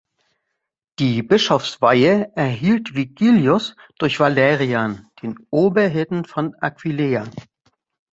Die Bischofsweihe erhielt Vigilius durch Valerian, den Oberhirten von Aquileia.